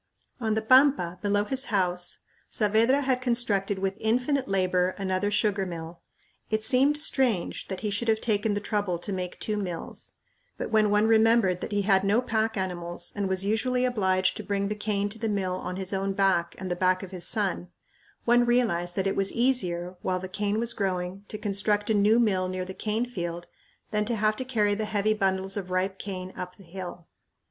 On the pampa, below his house, Saavedra had constructed with infinite labor another sugar mill. It seemed strange that he should have taken the trouble to make two mills; but when one remembered that he had no pack animals and was usually obliged to bring the cane to the mill on his own back and the back of his son, one realized that it was easier, while the cane was growing, to construct a new mill near the cane field than to have to carry the heavy bundles of ripe cane up the hill.